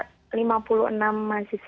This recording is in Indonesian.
sekitar sekitar enam orang yang di zansi